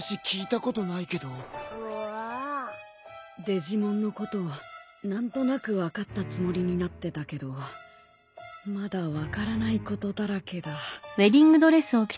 デジモンのこと何となく分かったつもりになってたけどまだ分からないことだらけだ。